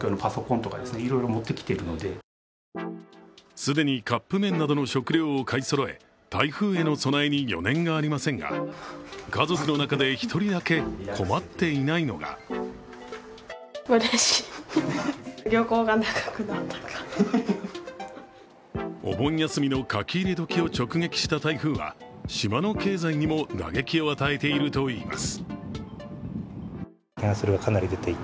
既にカップ麺などの食料を買いそろえ台風への備えに余念がありませんが家族の中で１人だけ困っていないのがお盆休みの書き入れ時を直撃した台風は島の経済にも打撃を与えているといいます。